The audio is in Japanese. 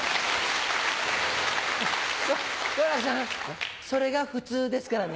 好楽さんそれが普通ですからね。